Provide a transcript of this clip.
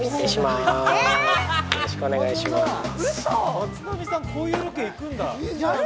松並さん、こういうロケ行くんだ。